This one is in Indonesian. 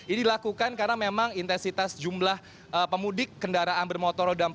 ini dilakukan karena memang intensitas jumlah pemudik kendaraan bermotor roda empat